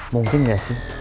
mungkin gak sih